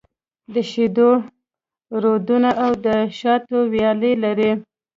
د شېدو رودونه او د شاتو ويالې لري.